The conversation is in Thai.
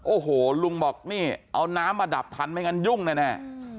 โอ้โหลุงบอกนี่เอาน้ำมาดับทันไม่งั้นยุ่งแน่